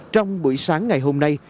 trong buổi sáng ngày hôm nay